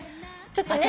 ちょっとね。